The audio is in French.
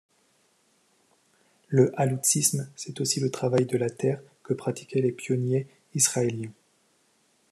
Le h'aloutsisme c'est aussi le travail de la terre que pratiquaient les pionniers Israéliens.